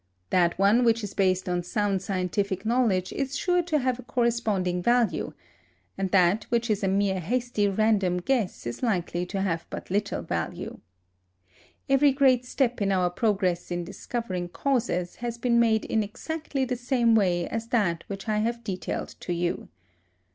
That one which is based on sound scientific knowledge is sure to have a corresponding value; and that which is a mere hasty random guess is likely to have but little value. Every great step in our progress in discovering causes has been made in exactly the same way as that which I have detailed to you.